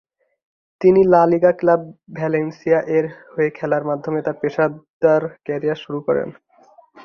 তিনি La Liga club ভালেনসিয়া-এর হয়ে খেলার মাধ্যমে তার পেশাদার ক্যারিয়ার শুরু করেন।